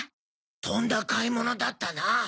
とんだ買い物だったな。